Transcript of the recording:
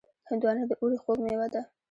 هندوانه د اوړي خوږ مېوه ده.